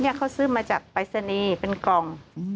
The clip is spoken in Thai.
เขาซื้อมาจากปรายศนีย์เป็นกล่อง